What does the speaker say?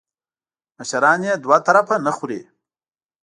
مشران یې دوه طرفه نه خوري .